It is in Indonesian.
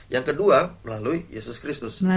yang kedua melalui yesus kristus